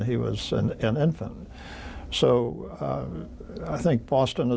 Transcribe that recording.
ผมคิดว่าบอสตินยังเกิดความรับสนใจ